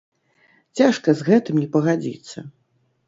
Цяжка з гэтым не пагадзіцца.